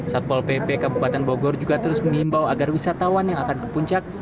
satpol pp kabupaten bogor juga terus mengimbau agar wisatawan yang akan ke puncak